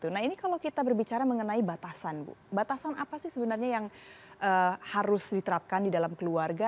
nah ini kalau kita berbicara mengenai batasan bu batasan apa sih sebenarnya yang harus diterapkan di dalam keluarga